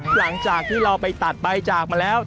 หลังจากที่เราไปตัดใบจากมาแล้ว